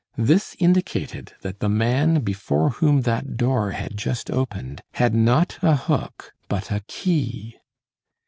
This indicated that the man before whom that door had just opened had not a hook but a key.